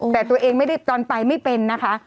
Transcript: แต่ตัวเองตอนไปไม่เป็นนะคะ